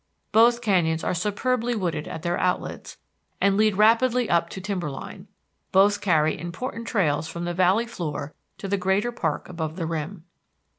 Both canyons are superbly wooded at their outlets, and lead rapidly up to timber line. Both carry important trails from the Valley floor to the greater park above the rim.